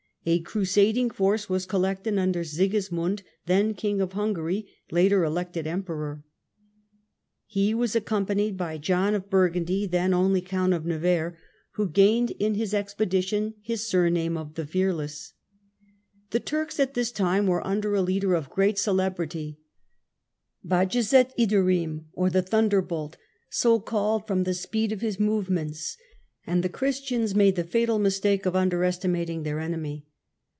A crusading force was collected under Sigismund, then King of Hungary, later elected Emperor. He was accompanied by John of Burgundy, then only Count of Nevers, who gained in this Sigismund THE GREEK EMPIRE AND OTTOMAN TURKS 261 expedition his surname of the Fearless. The Turks at this time were under a leader of great celebrity, Bajazet l^it a " Ilderim, or the Thunderbolt, so called from the speed of 1389 1403 his movements ; and the Christians made the fatal mis take of underestimating their enemy.